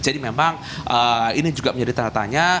jadi memang ini juga menjadi tanda tanya